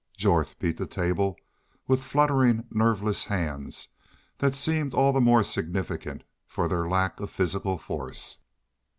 Jorth beat the table with fluttering, nerveless hands that seemed all the more significant for their lack of physical force.